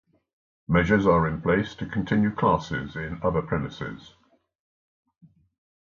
Measures are in place to continue classes in other premises.